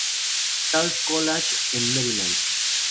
Charles College en Maryland.